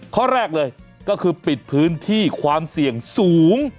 ข้อแรกเลยก็คือปิดพื้นที่ความเสี่ยงสูง